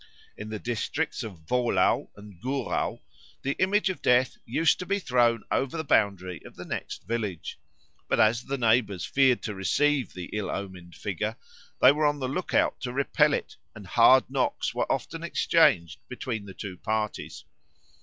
In the districts of Wohlau and Guhrau the image of Death used to be thrown over the boundary of the next village. But as the neighbours feared to receive the ill omened figure, they were on the look out to repel it, and hard knocks were often exchanged between the two parties.